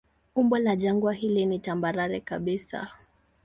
Umbo la jangwa hili ni tambarare kabisa.